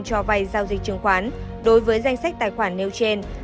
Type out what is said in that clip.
cho vay giao dịch chứng khoán đối với danh sách tài khoản nêu trên